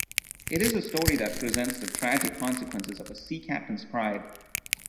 It is a story that presents the tragic consequences of a sea captain's pride.